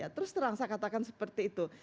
terus terang saya katakan seperti itu